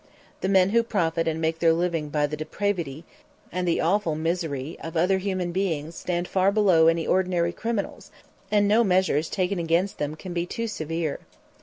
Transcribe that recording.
The men who profit and make their living by the depravity and the awful misery of other human beings stand far below any ordinary criminals, and no measures taken against them can be too severe.